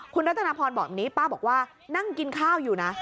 คุณรัตนพรบอกแบบนี้ป้าบอกว่านั่งกินข้าวอยู่นะ